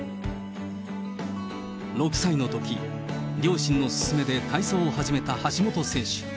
６歳のとき、両親の勧めで体操を始めた橋本選手。